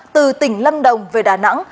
từ tỉnh lâm đồng về đà nẵng